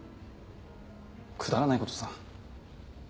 くだらないことさ。